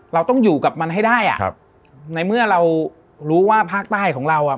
เราต้องอยู่กับมันให้ได้อ่ะครับในเมื่อเรารู้ว่าภาคใต้ของเราอ่ะ